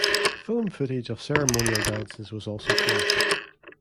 Film footage of ceremonial dances was also collected.